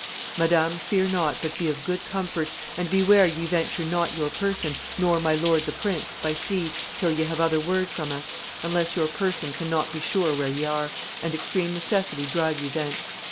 "Madam, fear not, but be of good comfort, and beware ye venture not your person, nor my lord the prince, by sea, till ye have other word from us, unless your person can not be sure where ye are, and extreme necessity drive ye thence.